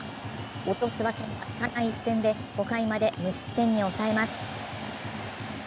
落とすわけにはいかない一戦で５回まで無失点に抑えます。